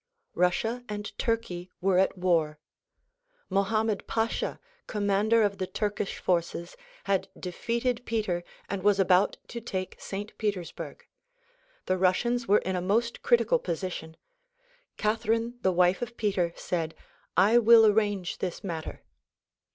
RuSvsia and Turkey were at war. ^lohammed Pasha commander of the Turkish forces had defeated Peter and was about to take St. Petersburgh. The Russians were in a most critical po 132 THE PROMULGATION OF UNIVERSAL PEACE sition. Catherine the wife of Peter said "I will arrange this matter."